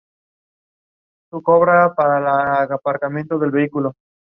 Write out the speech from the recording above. El resto de diputados de los restantes grupos forman la oposición.